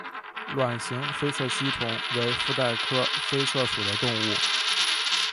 卵形菲策吸虫为腹袋科菲策属的动物。